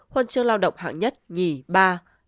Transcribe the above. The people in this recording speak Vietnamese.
huân chương lao động hạng nhất nhì ba